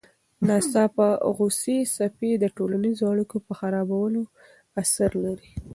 د ناڅاپه غوسې څپې د ټولنیزو اړیکو په خرابوالي اثر لري.